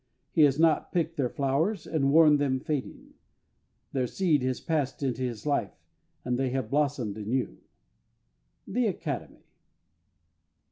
He has not picked their flowers and worn them fading; their seed has passed into his life, and they have blossomed anew. _The Academy.